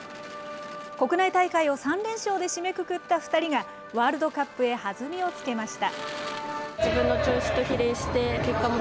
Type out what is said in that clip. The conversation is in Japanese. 国内大会を３連勝で締めくくった２人が、ワールドカップへ弾みをつけました。